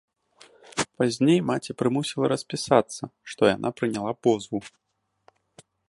Пазней маці прымусілі распісацца, што яна прыняла позву.